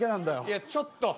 いやちょっと。